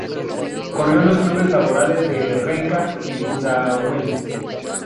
Corrió en los clubes laborales de Renca y Pudahuel.